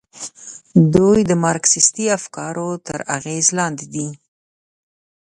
دوی د مارکسیستي افکارو تر اغېز لاندې دي.